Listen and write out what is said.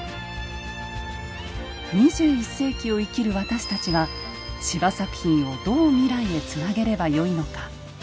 ２１世紀を生きる私たちは司馬作品をどう未来へつなげればよいのか。